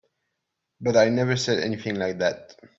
But I never said anything like that.